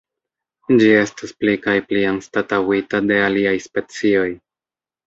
Ĝi estas pli kaj pli anstataŭita de aliaj specioj.